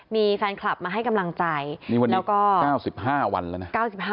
มีแฟนคลับมาให้กำลังใจนี่วันนี้ก็๙๕วันแล้วนะ